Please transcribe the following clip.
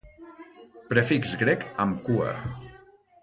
Prefix grec amb cua.